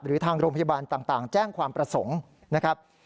หรือทางโรงพยาบาลต่างแจ้งความประสงค์นะครับ